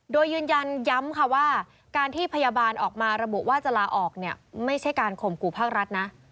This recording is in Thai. โดยยืนยันย้ำค่ะว่าการที่พยาบาลออกมาระบุว่าจะลาออกเนี่ยไม่ใช่การข่มขู่ภาครัฐนะ